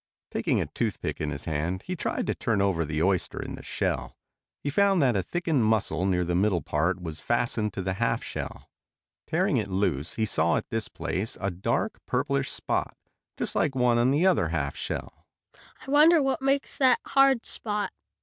Taking a toothpick in his hand he tried to turn over the oyster in the shell. He found that a thickened muscle near the middle part was fastened to the half shell. Tearing it loose he saw at this place a dark, purplish spot just like one on the other half shell. "I wonder what makes that hard spot?"